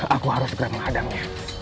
aku harus segera menghadangnya